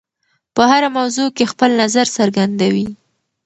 په هره موضوع کې خپل نظر څرګندوي.